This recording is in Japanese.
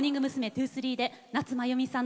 ２３で夏まゆみさん